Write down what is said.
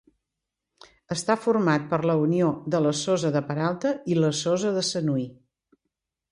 Està format per la unió de la Sosa de Peralta i la Sosa de Sanui.